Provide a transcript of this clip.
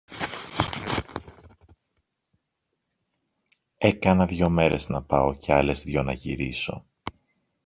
Έκανα δυο μέρες να πάω, και άλλες δυο να γυρίσω.